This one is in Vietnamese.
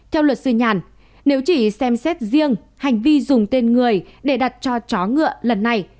theo luật sư nhàn nếu chỉ xem xét riêng hành vi dùng tên người để đặt cho chó ngựa lần này